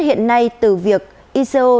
hiện nay từ việc ico